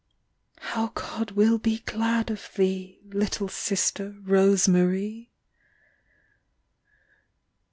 How God will be glad of thee, Little Sister Rose Marie!